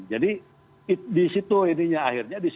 jadi disitu akhirnya